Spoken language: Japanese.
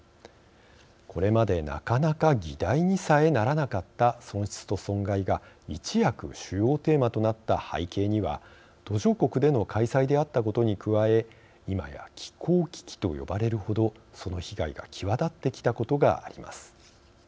これまで、なかなか議題にさえならなかった損失と損害が、一躍主要テーマとなった背景には途上国での開催であったことに加え今や気候危機と呼ばれるほどその被害が際立ってきたことがあります。